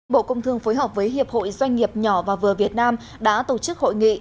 bộ công thương phối hợp với hiệp hội doanh nghiệp nhỏ và vừa việt nam đã tổ chức hội nghị